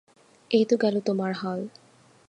এই তো গেল তোমার হাল।